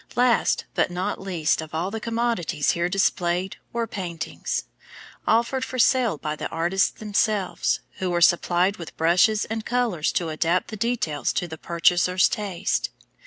Last but not least of all the commodities here displayed were paintings, offered for sale by the artists themselves, who were supplied with brushes and colors to adapt the details to the purchasers' taste.